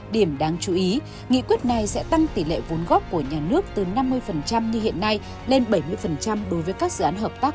điểm đáng chú ý nghị quyết này sẽ tăng tỷ lệ vốn góp của nhà nước từ năm mươi như hiện nay lên bảy mươi đối với các dự án hợp tác